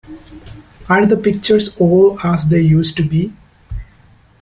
Are the pictures all as they used to be?